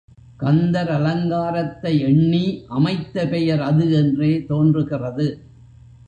கந்தர் அலங்காரத்தை எண்ணி அமைத்த பெயர் அது என்றே தோன்றுகிறது.